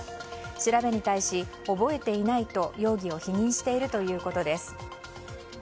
調べに対し、覚えていないと容疑を否認しているということです。